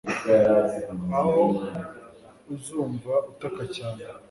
aho uzumva utaka cyane